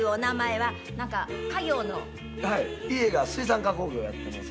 はい家が水産加工業やってます。